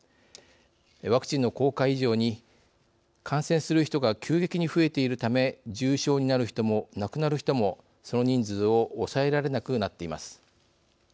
ワクチンの効果以上に感染する人が急激に増えているため重症になる人も、亡くなる人もその人数を抑えられなくなっています。